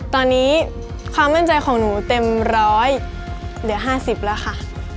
ตอนนี้ความมั่นใจของหนูเต็มร้อยเหลือ๕๐แล้วค่ะ